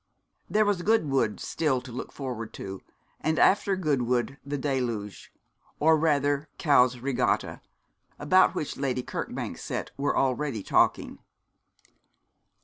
There was Goodwood still to look forward to; and after Goodwood the Deluge or rather Cowes Regatta, about which Lady Kirkbank's set were already talking.